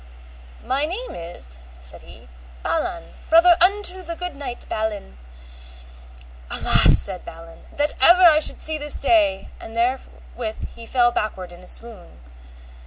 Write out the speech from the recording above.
My name is, said he, Balan, brother unto the good knight, Balin. Alas, said Balin, that ever I should see this day, and therewith he fell backward in a swoon.